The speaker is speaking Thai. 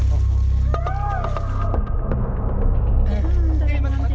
สวัสดีครับ